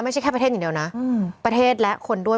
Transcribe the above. ไม่ใช่แค่ประเทศอย่างเดียวนะประเทศและคนด้วย